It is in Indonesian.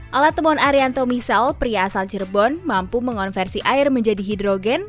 alat temuan arianto misal pria asal cirebon mampu mengonversi air menjadi hidrogen